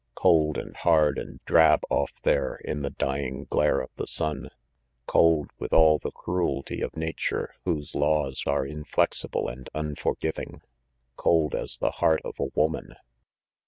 Cold and hard and drab off there, in the dying glare of the sun. Cold, with all the cruelty of nature whose laws are inflexible and unforgiving. Cold as the heart of a woman!